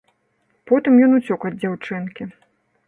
Потым ён уцёк ад дзяўчынкі.